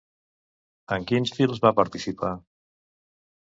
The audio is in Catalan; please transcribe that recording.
En quins films va participar?